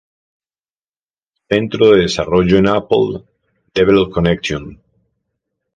Centro de desarrollo en Apple Developer Connection